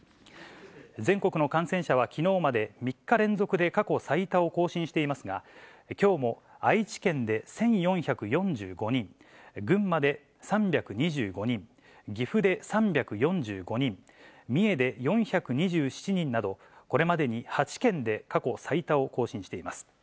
全国の感染者はきのうまで３日連続で過去最多を更新していますが、きょうも愛知県で１４４５人、群馬で３２５人、岐阜で３４５人、三重で４２７人など、これまでに８県で過去最多を更新しています。